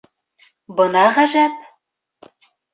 Бына ғәжәп.